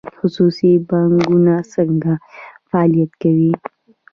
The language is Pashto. خصوصي بانکونه څنګه فعالیت کوي؟